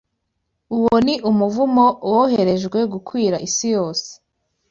Uwo ni umuvumo woherejwe gukwira isi yose